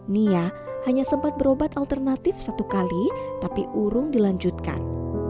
nia hanya sempat berobat alternatif satu kali tapi urung dilanjutkan